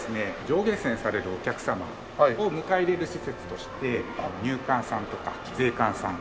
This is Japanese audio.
乗下船されるお客様を迎え入れる施設として入管さんとか税関さん。